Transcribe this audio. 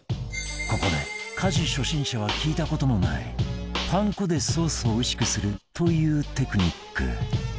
ここで家事初心者は聞いた事のないパン粉でソースをおいしくするというテクニック